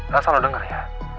rasanya lo denger ya